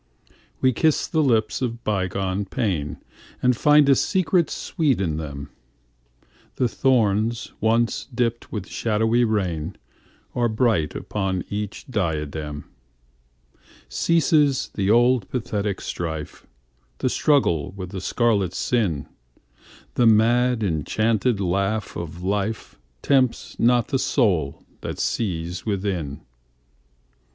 We kiss the lips of bygone painAnd find a secret sweet in them:The thorns once dripped with shadowy rainAre bright upon each diadem. Ceases the old pathetic strife, The struggle with the scarlet sin:The mad enchanted laugh of lifeTempts not the soul that sees within.